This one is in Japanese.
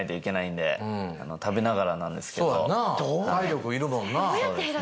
体力いるもんな。